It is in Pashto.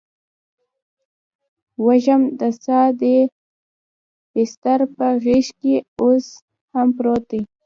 وږم د ساه دی دبسترپه غیږکې اوس هم پروت دي